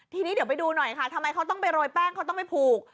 ทีนี้เดี๋ยวไปดูหน่อยค่ะทำไมเขาต้องไปโรยแป้งเขาต้องไปผูก